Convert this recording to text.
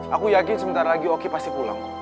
aku yakin sebentar lagi oki pasti pulang